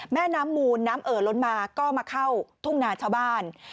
แม่น้ำมูลน้ำเอ่อล้นมาก็มาเข้าทุ่งนาชาวบ้าน